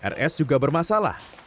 rs juga bermasalah